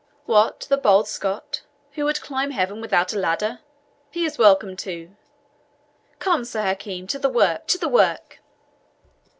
What, the bold Scot, who would climb heaven without a ladder! He is welcome too. Come, Sir Hakim, to the work, to the work!"